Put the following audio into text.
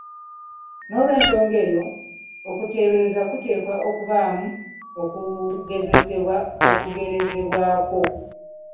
Noolwensonga eyo, okuteebereza kuteekwa okubaamu okugezesebwa okugerezebwako.